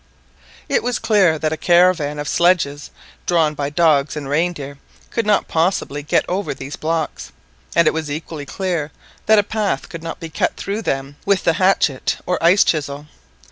It was clear that a caravan of sledges, drawn by dogs and reindeer, could not possibly get over these blocks; and it was equally clear that a path could not be cut through them with the hatchet or ice chisel.